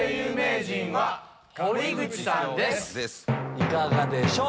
いかがでしょう？